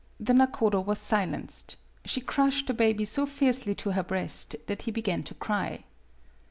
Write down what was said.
" The nakodo was silenced. She crushed the baby so fiercely to her breast that he began to cry.